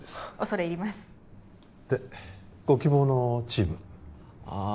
恐れ入りますでご希望のチームああ